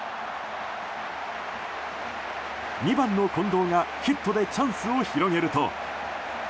２番の近藤がヒットでチャンスを広げると。